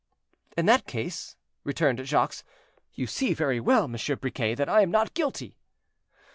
"In that case," returned Jacques, "you see very well, Monsieur Briquet, that I am not guilty."